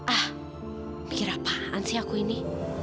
ah mikir apaan sih aku ini